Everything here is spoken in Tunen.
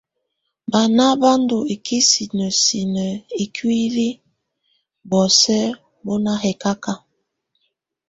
Bana bá ndù ikisinǝ sinǝ ikuili bɔ̀ósɛ bú na hɛkaka.